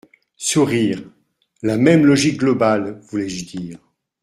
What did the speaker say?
(Sourires.) La même logique globale, voulais-je dire.